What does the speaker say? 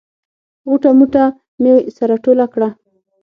غوټه موټه مې سره ټوله کړه.